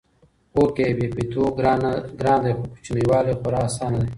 هو کې! بيبيتوب ګران دی خو کچنۍ واله خورا اسانه ده